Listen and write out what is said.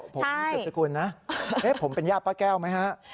ผมเสี่ยงจักรคุณนะเป็นยาป้าแก้วไหมครับ